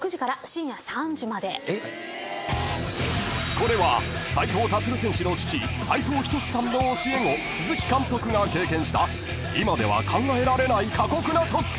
［これは斉藤立選手の父斉藤仁さんの教え子鈴木監督が経験した今では考えられない過酷な特訓］